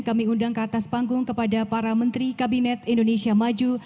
kami undang ke atas panggung kepada para menteri kabinet indonesia maju